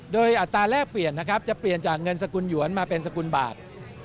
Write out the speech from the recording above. โดยอัตราแรกเปลี่ยนนะครับจะเปลี่ยนจากเงินสกุลหยวนมาเป็นสกุลบาท